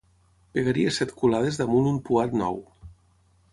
Pegaria set culades damunt un puat nou.